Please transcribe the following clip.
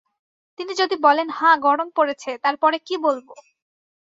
তিনি যদি বলেন হাঁ গরম পড়েছে, তার পরে কী বলব?